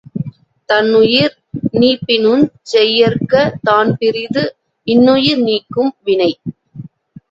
தன்னுயிர் நீப்பினுஞ் செய்யற்க தான்பிறிது இன்னுயிர் நீக்கும் வினை.